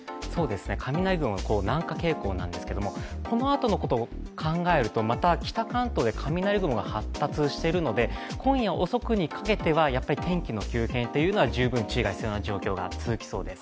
雷雲、南下傾向なんですがこのあとのことを考えるとまた北関東で雷雲が発達しているので、今夜遅くにかけては天気の急変は十分注意が必要な状況が続きそうです。